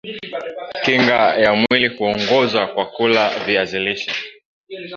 kinga ya mwili huongezwa kwa kula viazi lishe